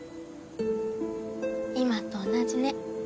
今と同じね。